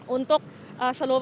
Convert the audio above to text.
untuk seluruh jalan jalan lain